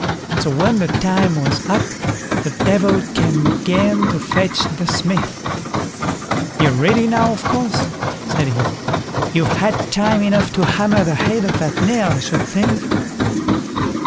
So when the time was up, the Devil came again to fetch the Smith. "You're ready now, of course", said he; "you've had time enough to hammer the head of that nail, I should think."